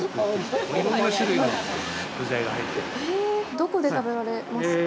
どこで食べられますか。